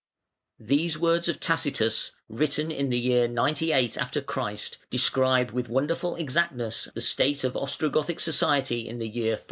] These words of Tacitus, written in the year 98 after Christ, describe with wonderful exactness the state of Ostrogothic society in the year 472.